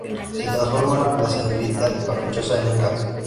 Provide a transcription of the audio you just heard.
Se transforma la señorita caprichosa en un Gato.